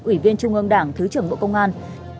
ủy viên trung ương đảng thứ trưởng bộ công an